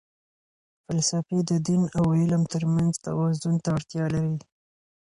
فلسفې د دین او علم ترمنځ توازن ته اړتیا لري.